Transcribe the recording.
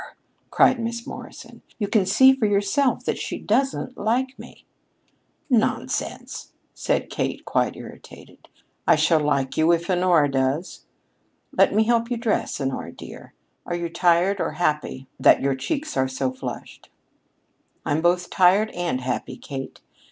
cried Miss Morrison; "you can see for yourself that she doesn't like me!" "Nonsense," said Kate, really irritated. "I shall like you if Honora does. Let me help you dress, Honora dear. Are you tired or happy that your cheeks are so flushed?" "I'm both tired and happy, Kate.